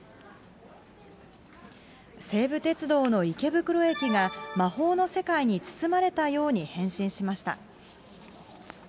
西武鉄道の池袋駅が魔法の世界に包まれたように変身しました。